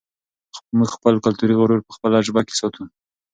موږ خپل کلتوري غرور په خپله ژبه کې ساتو.